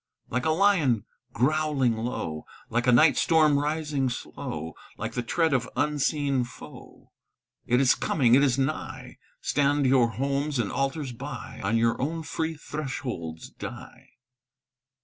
Like a lion growling low, Like a night storm rising slow, Like the tread of unseen foe; It is coming, it is nigh! Stand your homes and altars by; On your own free thresholds die.